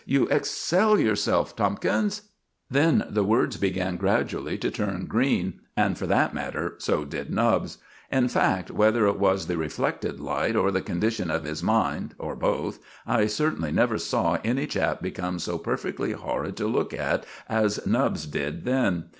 You excel yourself, Tomkins!" Then the words began gradually to turn green; and, for that matter, so did Nubbs. In fact, whether it was the reflected light or the condition of his mind, or both, I certainly never saw any chap become so perfectly horrid to look at as Nubbs did then.